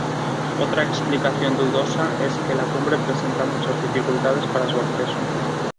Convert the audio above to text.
Otra explicación, dudosa, es que la cumbre presenta muchas dificultades para su acceso.